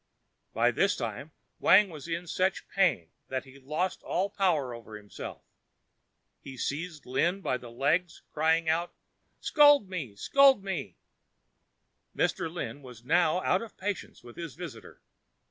By this time Wang was in such pain that he lost all power over himself. He seized Mr. Lin by the legs crying out, "Scold me! scold me!" Mr. Lin was now out of patience with his visitor.